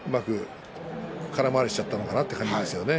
空回りしてしまったのかなということですよね。